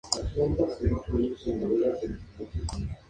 Las hojas caulinares superiores gradualmente asentadas y pinnadas.